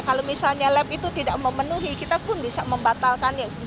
kalau misalnya lab itu tidak memenuhi kita pun bisa membatalkannya